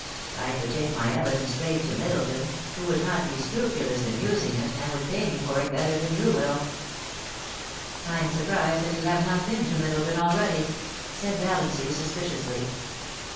I could take my evidence straight to Middleton, who would not be scrupulous in using it, and would pay me for it better than you will' * I am surprised that you have not been to Middleton already,' said Valiancy, suspiciously.